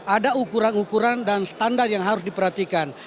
ada ukuran ukuran dan standar yang harus diperhatikan